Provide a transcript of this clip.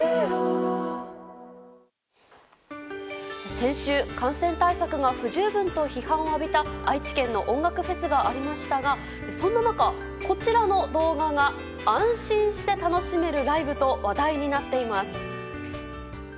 先週、感染対策が不十分と批判を浴びた愛知県の音楽フェスがありましたがそんな中、こちらの動画が安心して楽しめるライブと話題になっています。